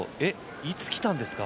いつ切ったんですか？